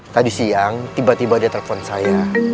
tadi siang tiba tiba dia telpon saya